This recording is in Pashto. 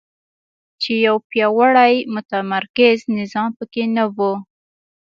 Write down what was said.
چې یو پیاوړی متمرکز نظام په کې نه وو.